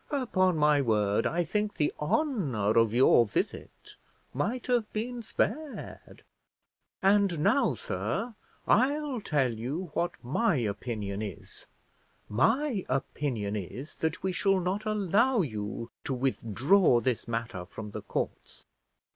Upon my word I think the honour of your visit might have been spared! And now, sir, I'll tell you what my opinion is: my opinion is, that we shall not allow you to withdraw this matter from the courts."